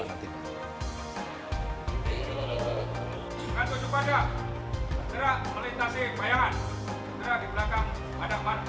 gerak melintasi bayangan gerak di belakang adapan pabrik